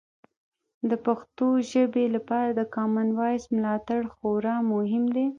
د پښتو ژبې لپاره د کامن وایس ملاتړ خورا مهم دی.